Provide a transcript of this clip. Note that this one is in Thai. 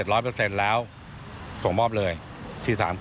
โดยรฟทจะประชุมและปรับแผนให้สามารถเดินรถได้ทันในเดือนมิถุนายนปี๒๕๖๓